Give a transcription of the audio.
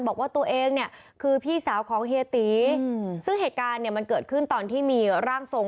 บอกว่าตัวเองเนี่ยคือพี่สาวของเฮียตีซึ่งเหตุการณ์เนี่ยมันเกิดขึ้นตอนที่มีร่างทรง